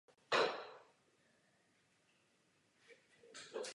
Martin pracuje u natáčení seriálu jako konzultant.